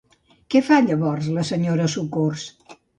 Què fa llavors la senyora Socors?